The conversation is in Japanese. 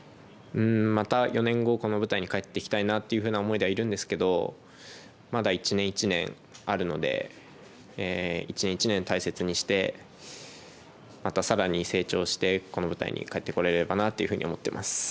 また４年後この舞台に帰ってきたいなというふうな思いではいるんですけどまだ１年１年があるので１年１年、大切にしてまたさらに成長してこの舞台に帰ってこれればなというふうに思っています。